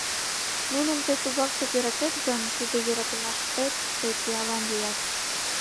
Нуным тый тугак чот йӧратет гын, тиде йӧратымаштет тый пиалан лият.